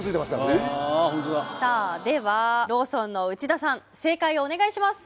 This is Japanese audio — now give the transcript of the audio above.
ああホントださあではローソンの内田さん正解をお願いします